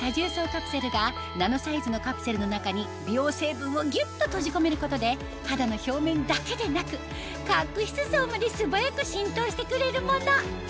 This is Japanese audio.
カプセルがナノサイズのカプセルの中に美容成分をぎゅっと閉じ込めることで肌の表面だけでなく角質層まで素早く浸透してくれるもの